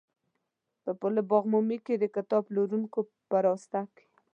په پل باغ عمومي کې د کتاب پلورونکو په راسته کې.